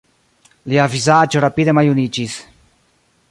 Lia vizaĝo rapide maljuniĝis.